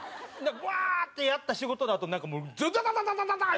うわーってやった仕事のあとなんかズダダダダダダダー！